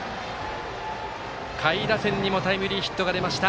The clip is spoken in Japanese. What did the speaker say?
下位打線にもタイムリーヒットが出ました。